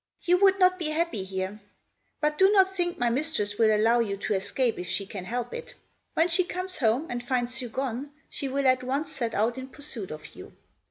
You would not be happy here. But do not think my mistress will allow you to escape if she can help it. When she comes home and finds you gone, she will at once set out in pursuit of you.